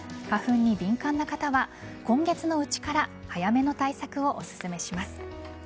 花粉に敏感な方は今月のうちから早めの対策をおすすめします。